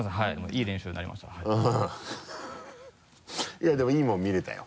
いやでもいいもん見れたよ。